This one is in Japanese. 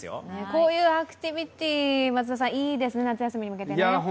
こういうアクティビティーいいですね、夏休みに向けてね。